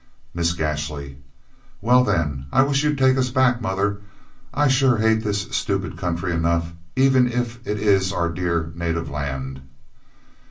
Miss Gashly "Well then, I wish you'd take us back, mother; I'm sure I hate this stoopid country enough, even if it is our dear native land."